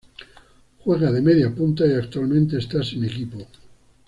Juega de mediapunta y actualmente está sin equipo.